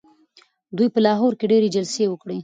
دوی په لاهور کي ډیري جلسې وکړې.